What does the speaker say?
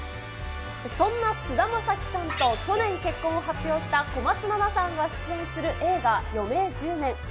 そんな菅田将暉さんと去年結婚を発表した、小松菜奈さんが出演する映画、余命１０年。